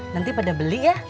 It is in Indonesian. nanti pada beli ya